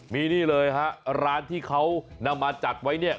มีนี่เลยฮะร้านที่เขานำมาจัดไว้เนี่ย